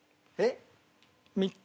えっ？